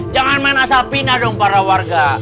jangan main asap pindah dong para warga